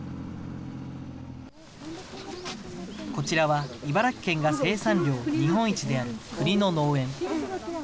こちらは茨城県が生産量日本一であるくりの農園。